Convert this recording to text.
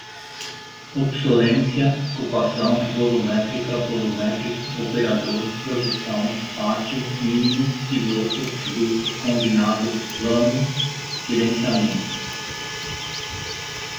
Obsolescência ocupação volumétrica volumétrico operador produção pátio mínimo piloto bruto combinado plano gerenciamento